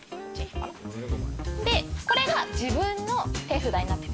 でこれが自分の手札になってます。